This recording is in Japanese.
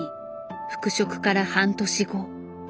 復職から半年後。